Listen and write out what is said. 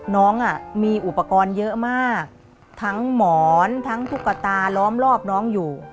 น้องมีอุปกรณ์เยอะมากทั้งหมอนทั้งตุ๊กตาล้อมรอบน้องอยู่